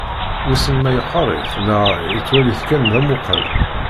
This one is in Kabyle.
Wisen ma yeqqar-it neɣ yettwali-t kan d amuqel.